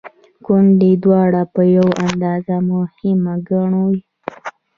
ګوندې دواړه په یوه اندازه مهمه ګڼو.